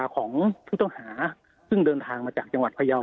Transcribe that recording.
ของผู้ต้องหาซึ่งเดินทางมาจากจังหวัดพยาว